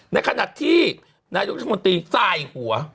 ในขณะที่นายกชตรีซายหัว